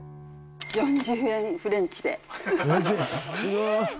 ４０円フレンチで。